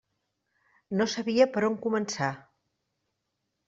No sabia per on començar.